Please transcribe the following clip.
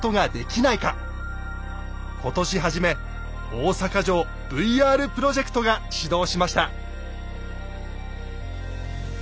今年初め「大坂城ＶＲプロジェクト」が始動しました。